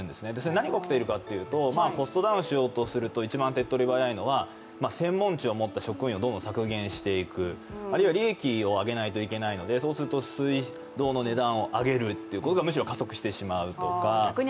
何が起きているかというと、コストダウンしようとすると、一番手っ取り早いのは専門知を持った人員を削減していく、あるいは利益を上げないといけないのでそうすると水道の値段を上げることが加速してしまうとか